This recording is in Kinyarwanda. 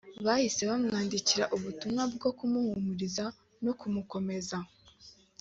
bahise bamwandikira ubutumwa bwo kumuhumuriza no kumukomeza